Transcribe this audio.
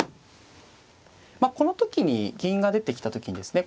この時に銀が出てきた時にですね